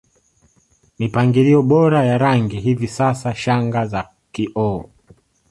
mipangilio bora ya rangi Hivi sasa shanga za kioo